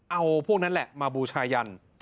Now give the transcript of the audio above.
เอาพวกนั้นแหละมาบูชายัน